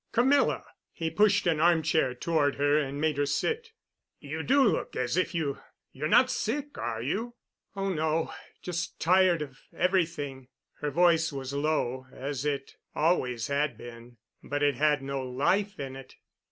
"Camilla!" He pushed an armchair toward her and made her sit. "You do look as if you—you're not sick, are you?" "Oh, no—just tired of everything." Her voice was low, as it always had been, but it had no life in it.